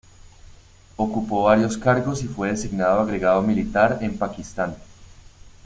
Ocupó varios cargos y fue designado agregado militar en Pakistán.